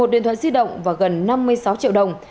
một mươi một điện thoại di động và gần năm mươi sáu triệu đồng